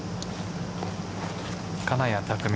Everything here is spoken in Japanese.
金谷拓実